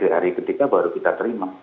di hari ketiga baru kita terima